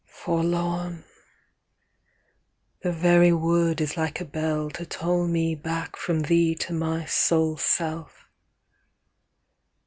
8.Forlorn! the very word is like a bellTo toil me back from thee to my sole self!